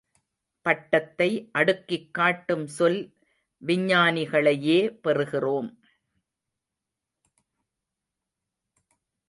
பட்டத்தை அடுக்கிக் காட்டும் சொல் விஞ்ஞானிகளையே பெறுகிறோம்.